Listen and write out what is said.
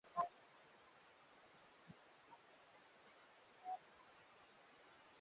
kuweka misingi yao ya kikoloni Pia ndugu na watoto wa Mamangi walikuwa wa kwanza